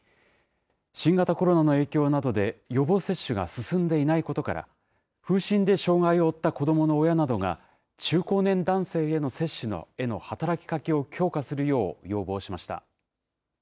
新型コロナの影響などで予防接種が進んでいないことから、風疹で障害を負った子どもの親などが、中高年男性への接種への働きかけを強化するよう要望しました。